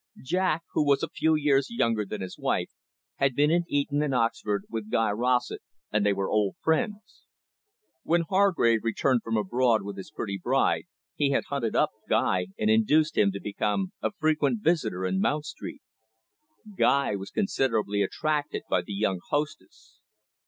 Jack, who was a few years younger than his wife, had been at Eton and Oxford with Guy Rossett, and they were old friends. When Hargrave returned from abroad with his pretty bride, he had hunted up Guy and induced him to become a frequent visitor in Mount Street. Guy was considerably attracted by the young hostess.